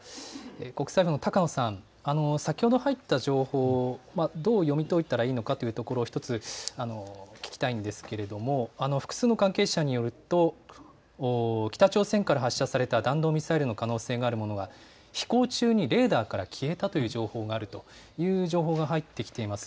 国際部の高野さん、先ほど入った情報、どう読み解いたらいいのかというところ、１つ聞きたいんですけれども、複数の関係者によると、北朝鮮から発射された弾道ミサイルの可能性があるものが飛行中にレーダーから消えたという情報があるという情報が入ってきています。